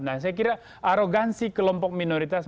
nah saya kira arogansi kelompok minoritas